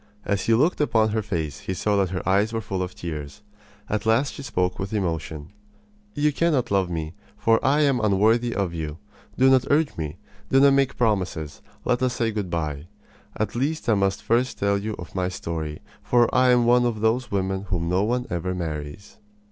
As he looked upon her face he saw that her eyes were full of tears. At last she spoke with emotion: "You cannot love me, for I am unworthy of you. Do not urge me. Do not make promises. Let us say good by. At least I must first tell you of my story, for I am one of those women whom no one ever marries."